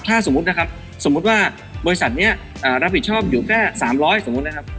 ถ้าสมมุตินะครับสมมุติว่าบริษัทนี้รับผิดชอบอยู่แค่๓๐๐สมมุตินะครับ